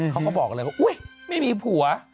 เขาก็บอกเลยว่าอุ๊ยไม่มีผัว